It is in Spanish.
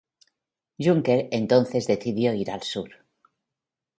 Junker entonces decidió ir al sur.